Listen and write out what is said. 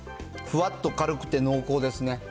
ふわっと軽くて、濃厚ですね。